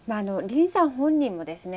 林さん本人もですね